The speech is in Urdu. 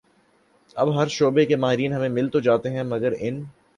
اب ہر شعبے کے ماہرین تو ہمیں مل جاتے ہیں مگر ان